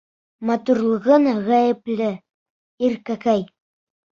Матурлығың ғәйепле, Иркәкәй.